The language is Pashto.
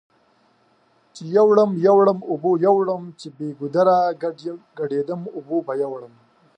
چې يوړم يوړم اوبو يوړم چې بې ګودره ګډ يدم اوبو به وړمه